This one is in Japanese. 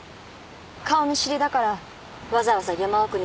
顔見知りだからわざわざ山奥に捨てたんです。